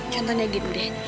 contohnya gitu deh